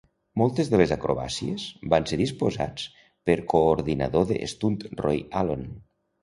Moltes de les acrobàcies van ser disposats per coordinador de Stunt Roy Alon.